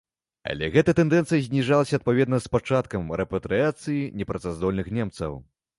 Але гэта тэндэнцыя зніжалася адпаведна з пачаткам рэпатрыяцыі непрацаздольных немцаў.